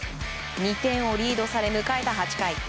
２点をリードされ迎えた８回。